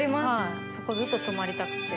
そこずっと泊まりたくて。